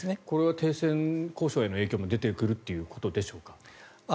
これは停戦交渉への影響も出てくるということでしょうか？